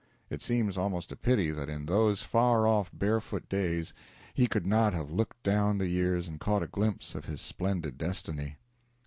It seems almost a pity that in those far off barefoot days he could not have looked down the years and caught a glimpse of his splendid destiny.